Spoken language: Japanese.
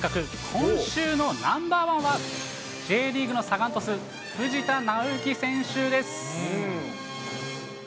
今週のＮｏ．１は、Ｊリーグのサガン鳥栖、藤田直之選手です。